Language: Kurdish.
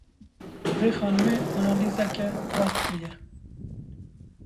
Vê xanimê analîzeke rast kiriye.